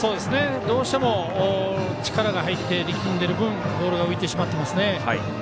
どうしても力が入って力んでいる分ボールが浮いてしまってますね。